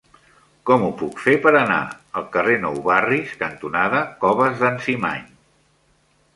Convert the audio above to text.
Com ho puc fer per anar al carrer Nou Barris cantonada Coves d'en Cimany?